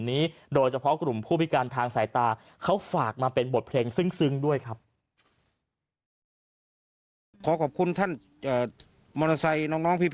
นี้โดยเฉพาะกลุ่มผู้พิการทางสายตาเขาฝากมาเป็นบทเพลงซึ้งด้วยครับขอบคุณท่านมอเตอร์ไซล์น้อง